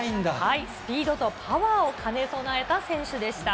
スピードとパワーを兼ね備えた選手でした。